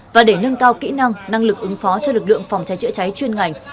và để nâng cao kỹ năng năng lực ứng phó cho lực lượng phòng cháy chữa cháy chuyên ngành